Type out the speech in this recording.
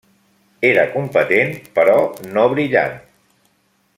Era competent, però no brillant.